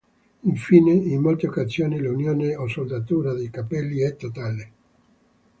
Infine, in molte occasioni l'unione o saldatura dei carpelli è totale.